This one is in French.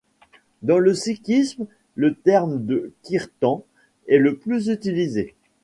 Dans le sikhisme, le terme de kirtan est plus utilisé.